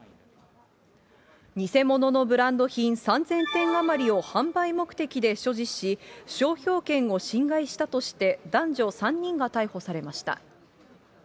偽物のブランド品、３０００点余りを販売目的で所持し、商標権を侵害したとして、男女３人が逮捕されました。